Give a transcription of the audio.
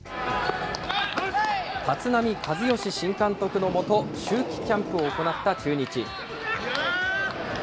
立浪和義新監督の下、秋季キャンプを行った中日。